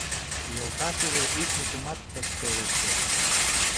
Йолташыже ик мутымат ыш пелеште.